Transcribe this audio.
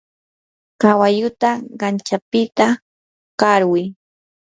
kawalluta kanchapita qarquy.